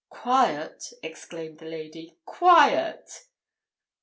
"Quiet!" exclaimed the lady. "Quiet?"